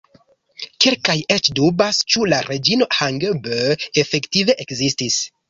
Kelkaj eĉ dubas ĉu la Reĝino Hangbe efektive ekzistis.